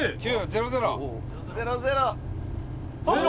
００！００。